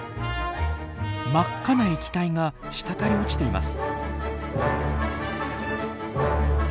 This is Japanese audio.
真っ赤な液体が滴り落ちています。